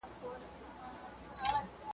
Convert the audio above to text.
هم خوارځواكى هم په ونه ټيټ گردى وو `